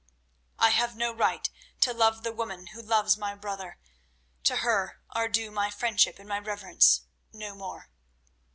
"I have no right to love the woman who loves my brother; to her are due my friendship and my reverence—no more."